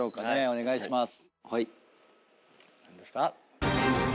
お願いします。